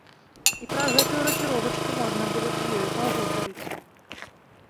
І пра гэтую ракіровачку можна было б з ёю пагутарыць.